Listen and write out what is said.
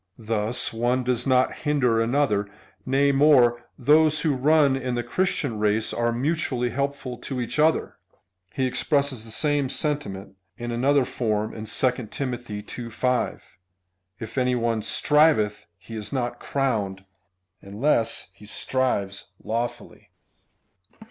^ Thus one does not hinder another : nay more, those who run in the Christian race are mutually helpful to each other. He expresses the same sentiment in another form in 2 Tim. ii. 5, If any one striveth, he is not crowned, unless he strives lawfully.